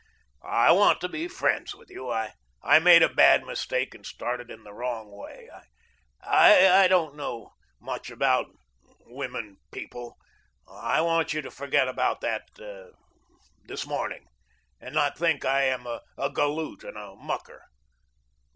I want to be friends with you. I made a bad mistake, and started in the wrong way. I don't know much about women people. I want you to forget about that this morning, and not think I am a galoot and a mucker.